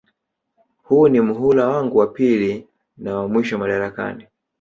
Huu ni muhula wangu wa pili na wa mwisho madarakani